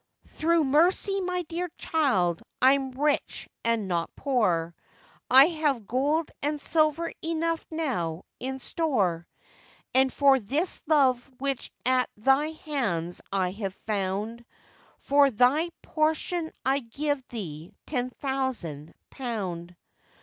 'Through mercy, my dear child, I'm rich and not poor, I have gold and silver enough now in store; And for this love which at thy hands I have found, For thy portion I'll give thee ten thousand pound.